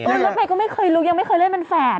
ผมเนินไปก็ไม่เคยรู้ยังไม่เคยเล่นเป็นแฝด